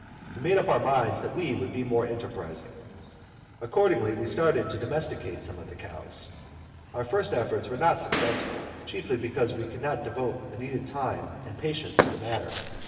We made up our minds that we would be more enterprising. Accordingly, we started to domesticate some of the cows. Our first effort was not successful, chiefly because we did not devote the needed time and patience to the matter.